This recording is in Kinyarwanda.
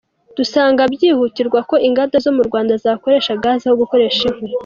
Dusanga byihutirwa ko inganda zo mu Rwanda zakoresha gaz aho gukoresha inkwi.